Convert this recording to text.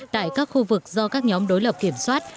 tại các khu vực do các nhóm đối lập kiểm soát